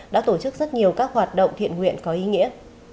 đã tổ chức rất nhiều các hoạt động thiện nguyện có ý nghĩa